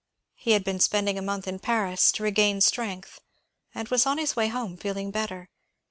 He had been spending a month in Paris, to regain strength, and was on his way home, feeling better.